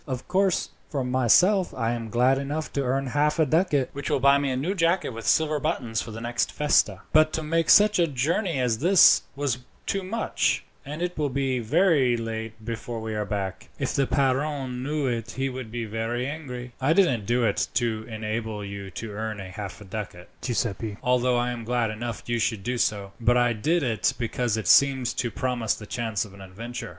Of course, for myself, I am glad enough to earn half a ducat, which will buy me a new jacket with silver buttons for the next festa; but to make such a journey as this was too much, and it will be very late before we are back. If the padrone knew it he would be very angry." "I didn't do it to enable you to earn half a ducat, Giuseppi, although I am glad enough you should do so; but I did it because it seemed to promise the chance of an adventure.